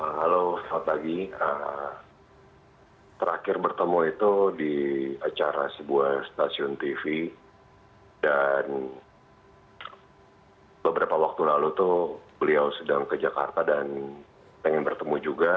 halo selamat pagi terakhir bertemu itu di acara sebuah stasiun tv dan beberapa waktu lalu itu beliau sedang ke jakarta dan pengen bertemu juga